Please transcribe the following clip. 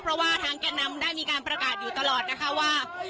เพราะว่าทางแก่นำได้มีการประกาศอยู่ตลอดนะคะว่า